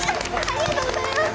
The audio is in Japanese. ありがとうございます！